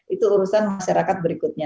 itu urusan masyarakat berikutnya